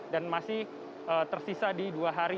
dan masih tersisa di dua hari